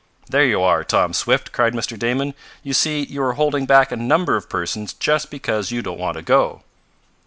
"There you are, Tom Swift!" cried Mr. Damon. "You see you are holding back a number of persons just because you don't want to go."